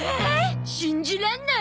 信じらんなーい！